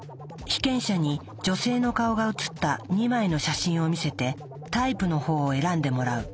被験者に女性の顔が写った２枚の写真を見せてタイプのほうを選んでもらう。